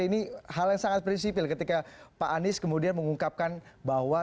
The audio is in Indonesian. ini hal yang sangat prinsipil ketika pak anies kemudian mengungkapkan bahwa